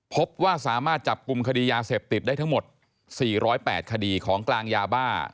พบว่าสามารถจับกลุ่มคดียาเสพติดได้ทั้งหมด๔๐๘คดีของกลางยาบ้า